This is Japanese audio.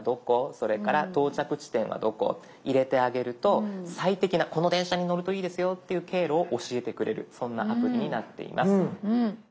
それから「到着地点はどこ」って入れてあげると最適なこの電車に乗るといいですよっていう経路を教えてくれるそんなアプリになっています。